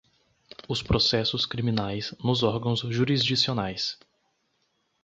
os processos criminais, nos órgãos jurisdicionais